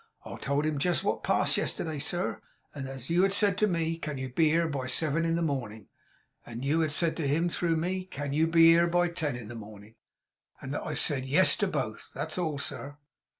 I told him jest wot passed yesterday, sir, and that you had said to me, "Can you be here by seven in the morning?" and that you had said to him, through me, "Can you be here by ten in the morning?" and that I had said "Yes" to both. That's all, sir.